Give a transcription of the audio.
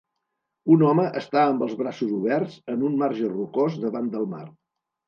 Un home està amb els braços oberts en un marge rocós davant del mar.